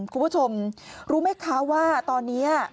คุณผู้ชมรู้ไหมคะว่าตอนนี้